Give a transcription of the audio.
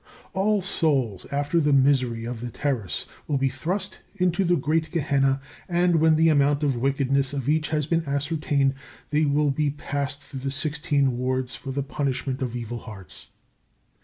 All souls, after the misery of the Terrace, will be thrust into the great Gehenna, and, when the amount of wickedness of each has been ascertained, they will be passed through the sixteen wards for the punishment of evil hearts.